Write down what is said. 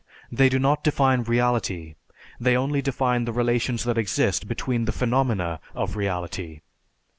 They do not define reality, they only define the relations that exist between the phenomena of reality.